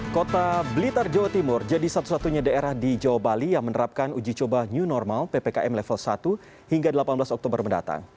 kota blitar jawa timur jadi satu satunya daerah di jawa bali yang menerapkan uji coba new normal ppkm level satu hingga delapan belas oktober mendatang